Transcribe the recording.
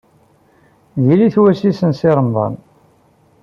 Diri-t wass-is n Si Remḍan.